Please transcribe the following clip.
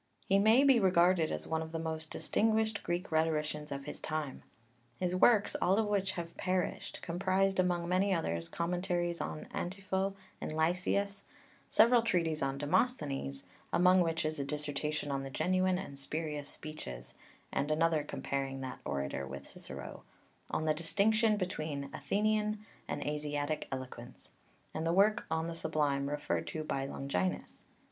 He may be regarded as one of the most distinguished Greek rhetoricians of his time. His works, all of which have perished, comprised, among many others, commentaries on Antipho and Lysias; several treatises on Demosthenes, among which is a dissertation on the genuine and spurious speeches, and another comparing that orator with Cicero; "On the Distinction between Athenian and Asiatic Eloquence"; and the work on the Sublime, referred to by Longinus (Pauly).